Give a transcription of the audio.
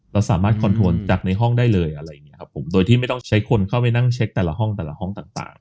เราสามารถคอนทัวร์จากในห้องได้เลยอะไรอย่างเงี้ครับผมโดยที่ไม่ต้องใช้คนเข้าไปนั่งเช็คแต่ละห้องแต่ละห้องต่าง